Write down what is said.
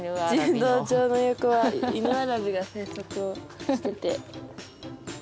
柔道場の横はイヌワラビが生息をしてて。